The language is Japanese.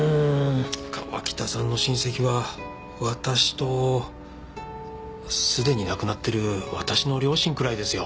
川喜多さんの親戚は私とすでに亡くなってる私の両親くらいですよ。